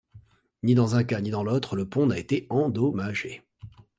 Ni dans un cas ni dans l'autre le pont n'a été endommagé.